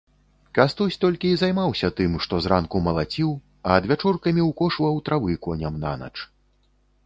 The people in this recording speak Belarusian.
Кастусь толькі і займаўся тым, што зранку малаціў, а адвячоркамі ўкошваў травы коням нанач.